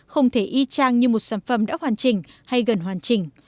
không thể y trang như một sản phẩm đã hoàn chỉnh hay gần hoàn chỉnh